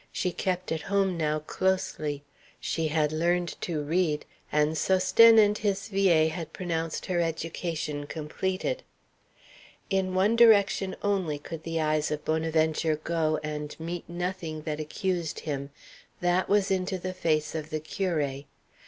She kept at home now closely. She had learned to read, and Sosthène and his vieille had pronounced her education completed. In one direction only could the eyes of Bonaventure go, and meet nothing that accused him: that was into the face of the curé.